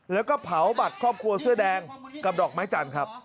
แล้วก็เผาบัตรครอบครัวเสื้อแดงกับดอกไม้จันทร์ครับ